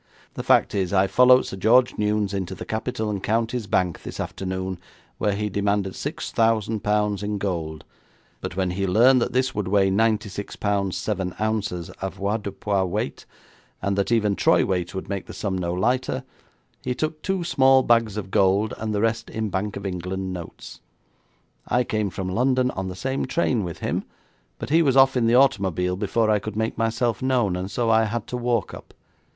'The fact is, I followed Sir George Newnes into the Capital and Counties Bank this afternoon, where he demanded six thousand pounds in gold; but when he learned this would weigh ninety six pounds seven ounces avoirdupois weight, and that even troy weight would make the sum no lighter, he took two small bags of gold and the rest in Bank of England notes. I came from London on the same train with him, but he was off in the automobile before I could make myself known, and so I had to walk up.